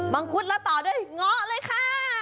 มังคุดหนักต่อด้วยเหงาเลยค่ะ